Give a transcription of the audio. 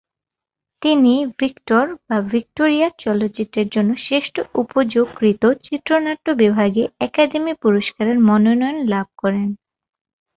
তিনি "ভিক্টর/ভিক্টোরিয়া" চলচ্চিত্রের জন্য শ্রেষ্ঠ উপযোগকৃত চিত্রনাট্য বিভাগে একাডেমি পুরস্কারের মনোনয়ন লাভ করেন।